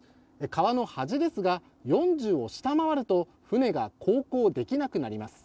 川の端ですが４０を下回ると船が航行できなくなります。